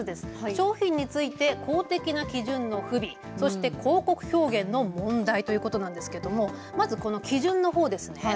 商品について公的な基準の不備そして広告表現の問題ということなんですけれどもまず、この基準のほうですね。